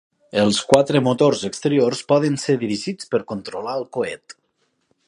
Els quatre motors exteriors poden ser dirigits per controlar el coet.